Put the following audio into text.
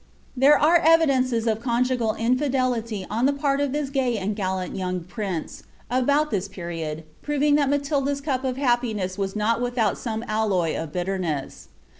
There are evidences of conjugal infidelity on the part of this gay and gallant young prince, about this period, proving that Matilda's rup iJ happiness was not without tome alloy of bitterness.